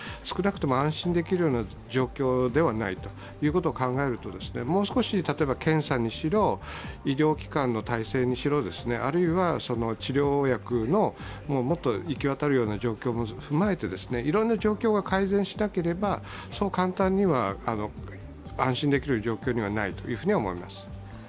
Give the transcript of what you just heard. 少なくとも安心できるような状況ではないことを考えるともう少し、検査にしろ、医療機関の体制にしろ、あるいは治療薬がもっと行き渡るような状況も踏まえていろんな状況が改善しなければ、そう簡単には安心できる状況にはないと思います。